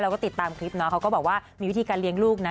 ก็ติดตามคลิปเนาะเขาก็บอกว่ามีวิธีการเลี้ยงลูกนะ